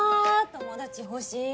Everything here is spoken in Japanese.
友達欲しい！